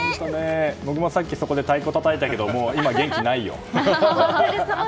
僕もさっきそこで太鼓をたたいたけどもう今、元気ないよ。